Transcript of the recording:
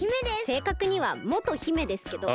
せいかくにはもと姫ですけど。